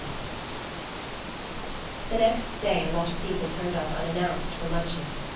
XIV. THE next day a lot of people turned up unannounced for luncheon.